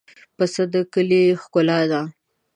پسه د کلي ښکلا ده.